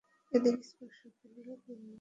এদের স্পর্শ করলেও পুণ্য হয়!